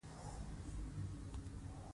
دوی حتی هغه ته د ډوډۍ بلنه ورکړه